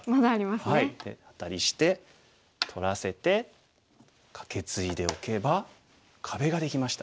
でアタリして取らせてカケツイでおけば壁ができました。